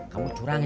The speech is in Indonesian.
kamu curang ya